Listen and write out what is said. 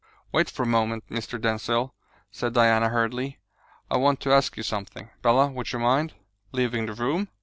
"Wait for a moment, Mr. Denzil," said Diana hurriedly. "I want to ask you something. Bella, would you mind " "Leaving the room?